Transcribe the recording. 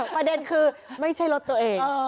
ประเด็นคือไม่ใช่รถตัวเอง